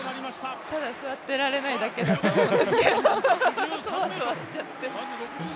ただ座ってられないだけだと思いますけど、そわそわしちゃって。